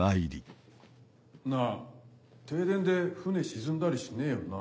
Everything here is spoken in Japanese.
停電で船沈んだりしねえよな？